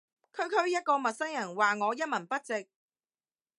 區區一個陌生人話我一文不值